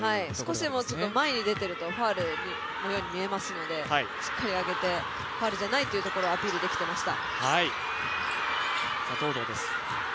少しでも前に出てるとファウルのように見えますのでしっかり上げて、ファウルじゃないというところをアピールできていました。